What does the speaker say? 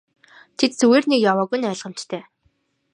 Тэд зүгээр нэг яваагүй нь ойлгомжтой.